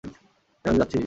কেন যে যাচ্ছি?